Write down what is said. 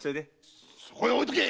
そそこへ置いてけ！